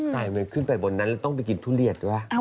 ตายมันขึ้นไปบนนั้นแล้วต้องไปกินทุเรียนว่ะ